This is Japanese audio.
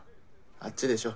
あっちでしょ。